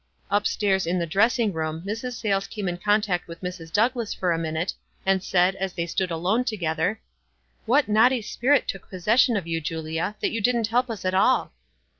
Up stairs in the dressing room Mrs. Sayles came in contact with Mrs. Douglass for a minute, and said, as they stood alone together, — R What naughty spirit took possession of you, Julia, that you didn't help us at all?"